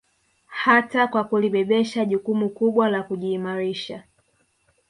Hata kwa kulibebesha jukumu kubwa la kujiimarisha